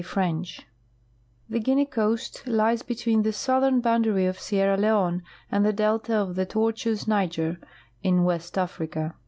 French The Guinea coast lies between the southern boundary of Sierra Leone and the delta of the tortuous Niger, in West Africa.